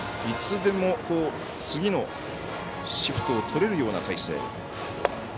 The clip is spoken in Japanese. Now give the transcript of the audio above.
いつでも次のシフトをとれるような態勢。